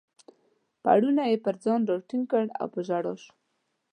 پوړنی یې پر ځان راټینګ کړ او په ژړا شوه.